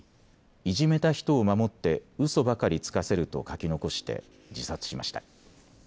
いじめた人を守ってうそばかりつかせると書き残して自殺しました。